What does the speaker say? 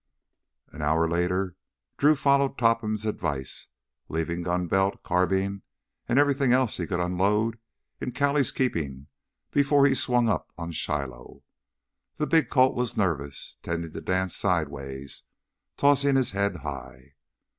An hour later Drew followed Topham's advice, leaving gun belt, carbine, and everything else he could unload in Callie's keeping before he swung up on Shiloh. The big colt was nervous, tending to dance sideways, tossing his head high.